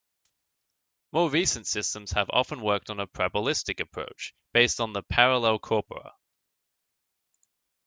More recent systems have often worked on a probabilistic approach, based on parallel corpora.